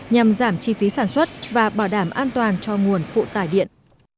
nhằm giảm chi phí sản xuất và bảo đảm an toàn cho nguồn phụ tải điện